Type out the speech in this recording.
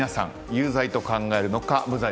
無罪と考えるのか？